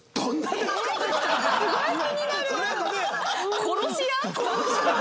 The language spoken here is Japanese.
すごい気になる！